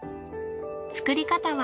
作り方は。